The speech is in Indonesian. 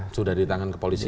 sudah ditangan ke polisi